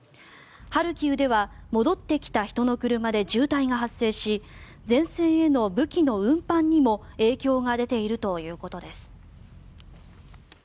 ハルキウでは戻ってきた人の車で渋滞が発生し前線への武器の運搬にも影響が出ているということです。